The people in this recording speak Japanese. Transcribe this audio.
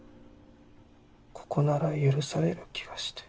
ここなら許される気がして。